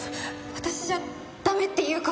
私じゃ駄目っていう事？